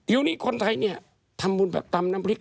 อยู่นี่คนไทยเนี่ยทำบุญแบบตำน้ำพริก